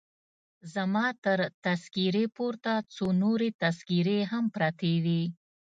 زما تر تذکیرې پورته څو نورې تذکیرې هم پرتې وې.